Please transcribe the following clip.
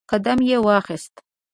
قدم یې واخیست